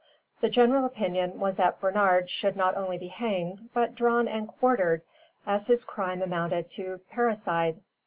The general opinion was that Bernard should not only be hanged, but drawn and quartered, as his crime amounted to parricide.